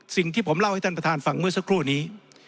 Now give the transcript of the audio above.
สิ่งที่ผมเล่าให้ท่านประธานฟังเมื่อสักครู่นี้